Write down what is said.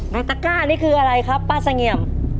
ตะก้านี่คืออะไรครับป้าเสงี่ยม